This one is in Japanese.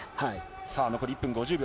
さあ、残り１分５０秒。